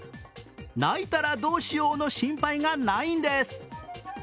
泣いたらどうしようの心配がないんです。